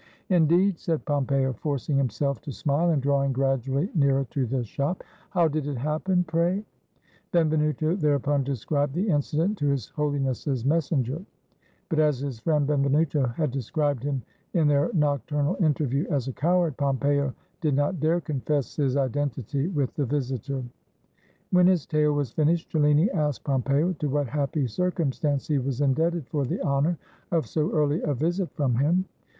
"Indeed!" said Pompeo, forcing himself to smile, and drawing gradually nearer to the shop; "how did it happen, pray?" Benvenuto thereupon described the incident to His Holiness's messenger; but as his friend Benvenuto had described him in their nocturnal interview as a coward, Pompeo did not dare confess his identity with the visi tor. When his tale was finished, Cellini asked Pompeo to what happy circumstance he was indebted for the honor of so early a visit from him.